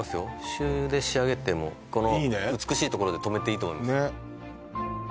朱で仕上げてもこの美しいところで止めていいと思います